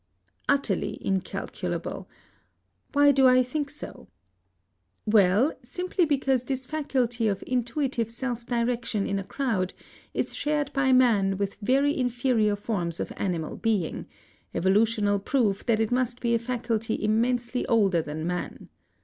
Utterly incalculable.... Why do I think so? Well, simply because this faculty of intuitive self direction in a crowd is shared by man with very inferior forms of animal being, evolutional proof that it must be a faculty immensely older than man.